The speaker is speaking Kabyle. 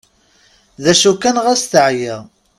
D acu kan ɣas teɛya.